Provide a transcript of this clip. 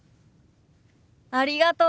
ありがとう！